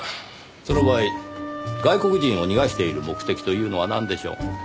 その場合外国人を逃がしている目的というのはなんでしょう？